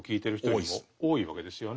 多いわけですよね。